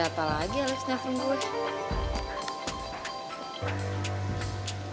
ada apa lagi ya lex nyafin gue